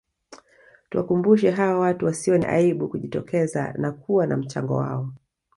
Tuwakumbushe hawa watu wasione aibu kujitokeza na kuwa na mchango wao